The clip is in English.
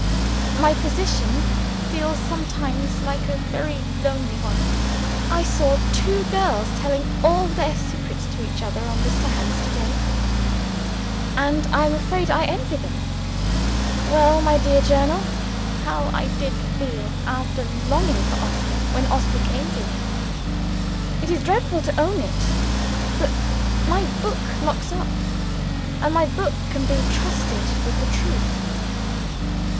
My position feels sometimes like a very lonely one. I saw two girls telling all their secrets to each other on the sands to day and I am afraid I envied them. Well, my dear Journal, how did I feel after longing for Oscar when Oscar came to me? It is dreadful to own it; but my book locks up, and my book can be trusted with the truth.